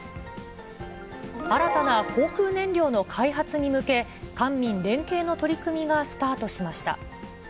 新たな航空燃料の開発に向け、官民連携の取り組みがスタートしました。